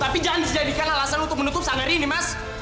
tapi jangan dijadikan alasan untuk menutup sanggar ini mas